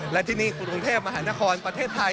และที่นี่กรุงเทพมหานครประเทศไทย